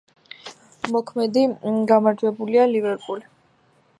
მოქმედი გამარჯვებულია „ლივერპული“.